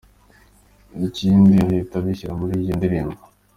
Bikindi ahita abishyira muri iyo ndirimbo.”